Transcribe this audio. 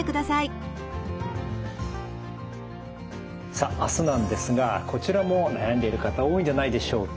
さあ明日なんですがこちらも悩んでいる方多いんじゃないでしょうか。